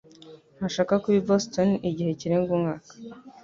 ntashaka kuba i Boston igihe kirenga umwaka